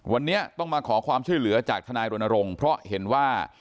วันนี้ต้องมาขอความช่วยเหลือจากทนายรณรงค์เพราะเห็นว่า